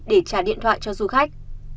để trả điện thoại cho du khách